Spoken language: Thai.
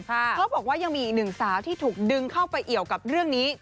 เขาบอกว่ายังมีอีกหนึ่งสาวที่ถูกดึงเข้าไปเอี่ยวกับเรื่องนี้